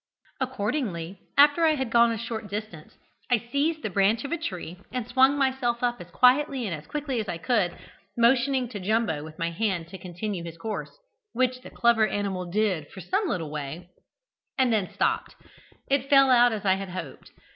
"Accordingly, after I had gone a short distance, I seized the branch of a tree, and swung myself up as quietly and quickly as I could, motioning to Jumbo with my hand to continue his course, which the clever animal did for some little way, and then stopped. It fell out as I had hoped.